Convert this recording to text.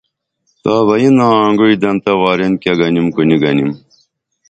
تابہ یینا آنگوعی دنتہ واریں کیہ گنیم کو نی گنیم